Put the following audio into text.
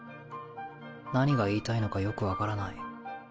何が言いたいのかよく分からない。